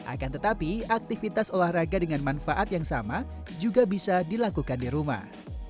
akan tetapi aktivitas olahraga dengan manfaat yang sama juga bisa dilakukan di rumah